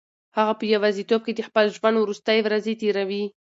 هغه په یوازیتوب کې د خپل ژوند وروستۍ ورځې تېروي.